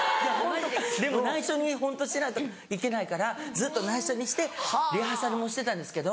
でも内緒にホントしないといけないからずっと内緒にしてリハーサルもしてたんですけど。